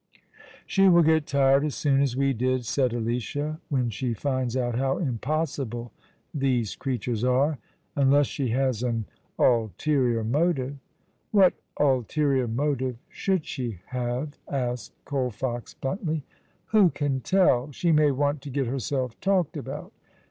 " She will get tired as soon as we did," said Alicia, '' when she finds out how impossible these creatures are — unless she has an ulterior motive." " What ulterior motive should she have ?" asked Colfox, bluntly. " Who can tell ? She may want to get herself talked about.